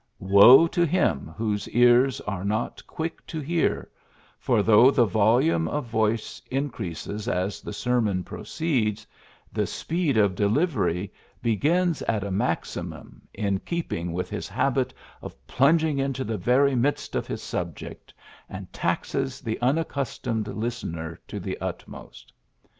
Woe to him whose ears are not quick to hear, for though the volume of voice increases as the sermon proceeds, the speed of delivery begins at a maxi 64 PHILLIPS BEOOKS mum, in keeping with his habit of plunging into the very midst of his sub ject, and taxes the unaccustomed listener to the utmost.